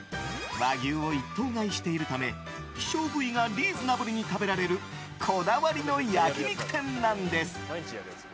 和牛を一頭買いしているため希少部位がリーズナブルに食べられるこだわりの焼き肉店なんです。